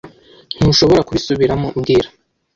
Ntushobora kubisubiramo mbwira